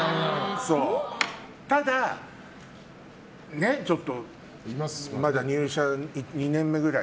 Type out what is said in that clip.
ただ、ちょっとまだ入社２年目ぐらい？